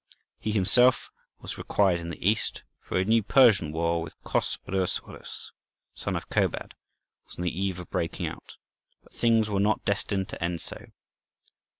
He himself was required in the East, for a new Persian war with Chosroësroës, son of Kobad, was on the eve of breaking out. But things were not destined to end so.